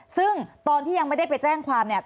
ซึ่งตอนที่ยังไม่ได้ไปแจ้งความเนี่ย